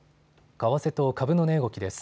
為替と株の値動きです。